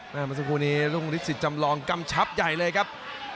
เมื่อสักครู่นี้รุ่งลิสิตจำลองกำชับใหญ่เลยครับ